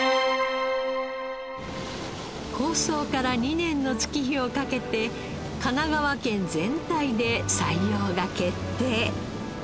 構想から２年の月日をかけて神奈川県全体で採用が決定。